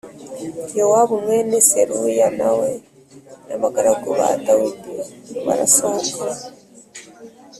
Yowabu mwene Seruya na we n’abagaragu ba Dawidi barasohoka